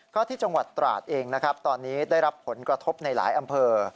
ก็ที่จังหวัดตราดเองนะครับตอนนี้ได้รับผลกระทบในหลายอำเภอ